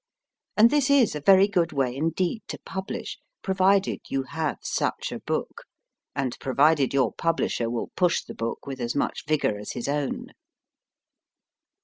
And this is a very good way indeed to publish, pro vided you have such a book, and provided your publisher will push the book with as much vigour as his own.